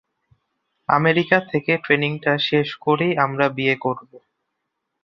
America থেকে ট্রেনিংটা শেষ করেই আমরা বিয়ে করব।